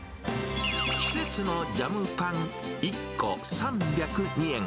季節のジャムパン１個３０２円。